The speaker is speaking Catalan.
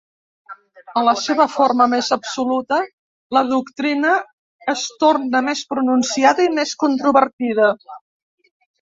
A la seva forma més absoluta, la doctrina es torna més pronunciada i més controvertida.